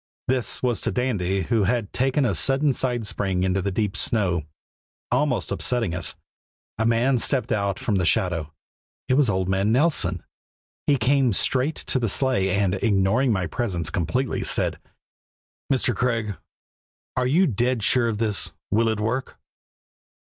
This was to Dandy, who had taken a sudden side spring into the deep snow, almost upsetting us. A man stepped out from the shadow. It was old man Nelson. He came straight to the sleigh and, ignoring my presence completely, said: "Mr. Craig, are you dead sure of this? Will it work?"